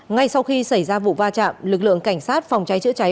ngay sau khi xảy ra vụ va chạm lực lượng cảnh sát phòng cháy chữa cháy